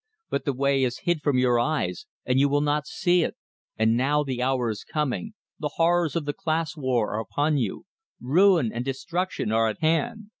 But the way is hid from your eyes, and you will not see it, and now the hour is coming, the horrors of the class war are upon you, ruin and destruction are at hand!